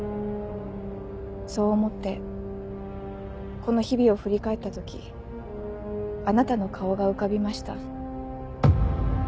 そう思ってこの日々を振り返った時あなたの顔が浮かびました。